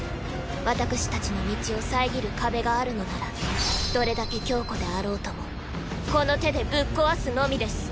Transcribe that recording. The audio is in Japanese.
私たちの道を遮る壁があるのならどれだけ強固であろうともこの手でぶっ壊すのみです！